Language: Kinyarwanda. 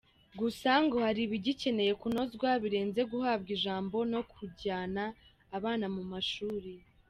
Gusa ngo hari ibigikeneye kunozwa birenze guhabwa ijambo no kujyana abana mu mashuri.